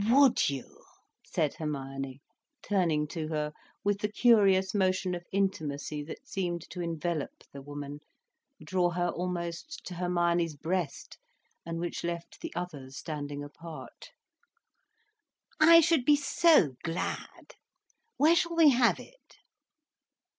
"Would you?" said Hermione, turning to her with the curious motion of intimacy that seemed to envelop the woman, draw her almost to Hermione's breast, and which left the others standing apart. "I should be so glad. Where shall we have it?"